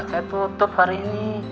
saya tutup hari ini